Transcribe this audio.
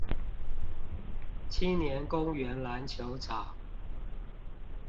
青年公園籃球場